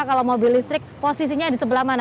kalau mobil listrik posisinya di sebelah mana